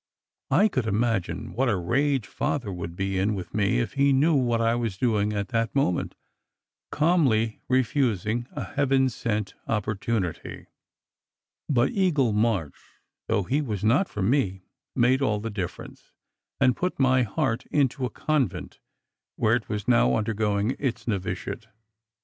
I could imagine what a rage Father would be in with me if he knew what I was doing at that moment, calmly refusing a heaven sent opportunity. But Eagle March, though he was not for me, made all the difference, and put my heart into a convent where it was now undergoing its novitiate.